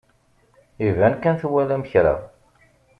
Iban kan twalam kra.